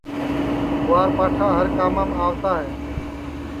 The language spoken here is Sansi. گُوار پاٹھا ہر کامام کام آوتا ہے